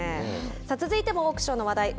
さあ、続いてもオークションの話題。